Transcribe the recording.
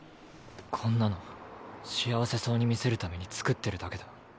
こんなの幸せそうに見せるために作ってるだけだ。